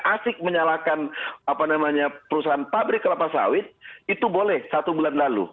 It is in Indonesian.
asik menyalahkan perusahaan pabrik kelapa sawit itu boleh satu bulan lalu